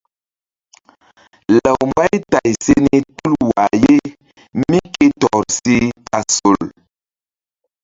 Law Mbaytay se ni tul wah ye mí ke tɔr si tasol.